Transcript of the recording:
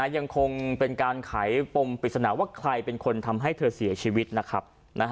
ยังคงเป็นการไขปมปริศนาว่าใครเป็นคนทำให้เธอเสียชีวิตนะครับ